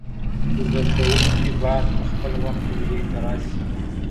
زده کوونکي باید په خپل وخت ټولګي ته راسی.